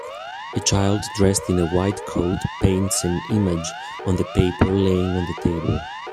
A child dressed in a white coat paints an image on the paper laying on the table.